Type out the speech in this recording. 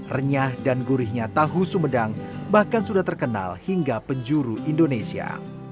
renyah dan gurihnya tahu sumedang bahkan sudah terkenal hingga penjuru indonesia